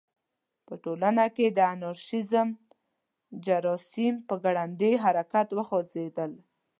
په ټولنه کې د انارشیزم جراثیم په ګړندي حرکت وخوځېدل.